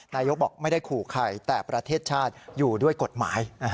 นายกบอกไม่ได้ขู่ใครแต่ประเทศชาติอยู่ด้วยกฎหมาย